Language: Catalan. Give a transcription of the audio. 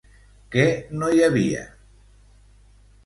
Què no hi havia?